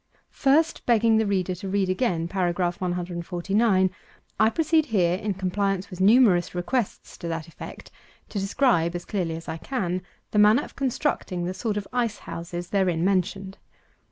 236. First begging the reader to read again paragraph 149, I proceed here, in compliance with numerous requests to that effect, to describe, as clearly as I can, the manner of constructing the sort of Ice houses therein mentioned.